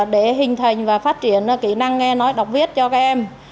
để hình thành và phát triển kỹ năng nghe nói đọc viết cho các em